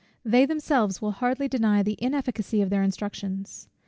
They themselves will hardly deny the inefficacy of their instructions.